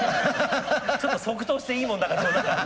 ちょっと即答していいもんだかどうだか。